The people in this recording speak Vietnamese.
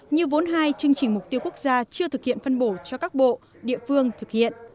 như vốn hai chương trình mục tiêu quốc gia chưa thực hiện phân bổ cho các bộ địa phương thực hiện